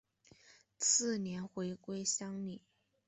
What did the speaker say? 次年回归乡里。